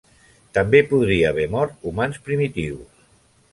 També podria haver mort humans primitius.